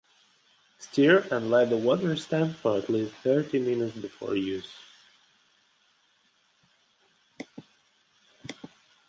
Stir and let the water stand for at least thirty minutes before use.